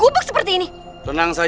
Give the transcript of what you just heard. jawab dinda naungulan